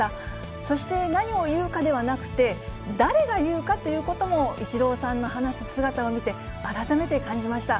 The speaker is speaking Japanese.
そして何を言うかではなくて、誰が言うかということも、イチローさんの話す姿を見て、改めて感じました。